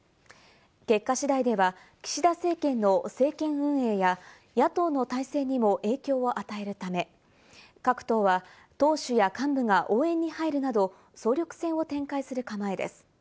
結果次第では岸田政権の政権運営や野党の体制にも影響を与えるため、各党は党首や幹部が応援に入るなど総力戦を展開する構えです。